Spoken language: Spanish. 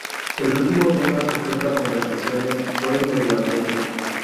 El último tema sujeto a conversaciones fue el medioambiente.